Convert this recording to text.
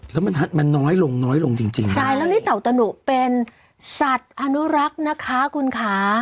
แล้วมันน้อยลงจริงใช่แล้วนี่เต่าตนุเป็นสัตว์อนุรักษ์นะคะคุณค้า